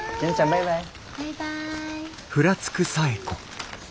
バイバイ。